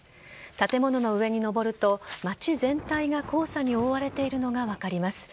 建物の上に登ると街全体が黄砂に覆われているのが分かります。